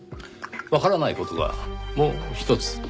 わからない事がもうひとつ。